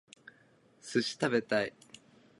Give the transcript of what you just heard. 寿司食べたい